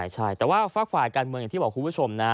ใช่แต่ว่าฝากฝ่ายการเมืองอย่างที่บอกคุณผู้ชมนะ